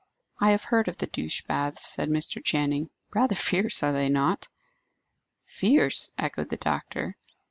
"I have heard of the douche baths," said Mr. Channing. "Rather fierce, are they not?" "Fierce!" echoed the doctor.